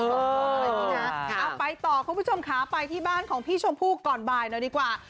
เอาไปต่อคุณผู้ชมค่ะไปที่บ้านของพี่ชมพูก่อนบ่ายหน่อยดีกว่า